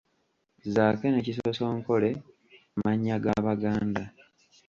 Zaake ne Kisosonkole mannya ga Baganda.